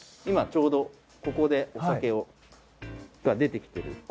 今ちょうどここでお酒が出て来てる。